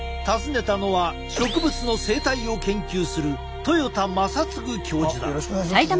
訪ねたのは植物の生態を研究する豊田正嗣教授だ。